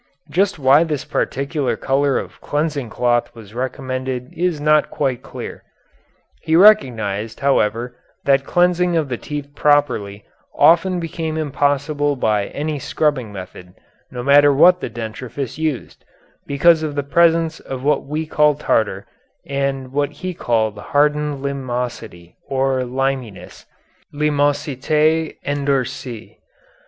Just why this particular color of cleansing cloth was recommended is not quite clear. He recognized, however, that cleansing of the teeth properly often became impossible by any scrubbing method, no matter what the dentifrice used, because of the presence of what we call tartar and what he called hardened limosity or limyness (limosité endurcie).